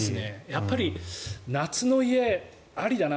やっぱり夏の家、ありだな。